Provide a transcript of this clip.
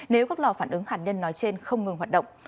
nếu các lò phản ứng hạt nhân nói trên không ngừng hoạt động